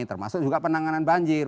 termasuk juga penanganan banjir